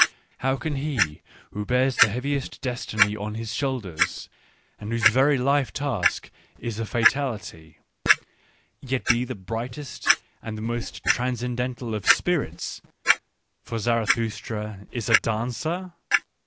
how can he who bears the heaviest destiny on his shoulders and whose very life task is a fatality, yet be the brightest and the most transcen dental of spirits — for Zarathustra is a dancer?